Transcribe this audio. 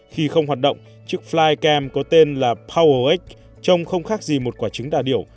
khi không hoạt động chiếc flycam có tên là powerx trông không khác gì một quả trứng đà điểu